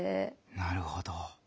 なるほど。